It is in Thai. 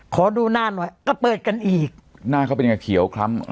ขอดูหน้าหน่อยก็เปิดกันอีกหน้าเขาเป็นยังไงเขียวคล้ำ